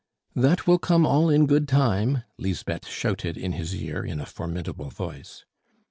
"That will come all in good time," Lisbeth shouted in his ear in a formidable voice.